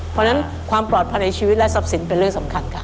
เพราะฉะนั้นความปลอดภัยในชีวิตและทรัพย์สินเป็นเรื่องสำคัญค่ะ